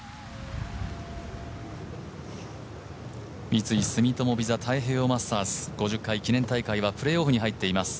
三井住友ＶＩＳＡ太平洋マスターズ、５０回記念大会はプレーオフに入っています